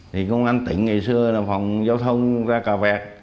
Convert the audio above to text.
thì công an tỉnh ngày xưa là phòng giao thông ra cà vẹt